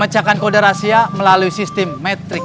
membaca kode rasia melalui sistem metrik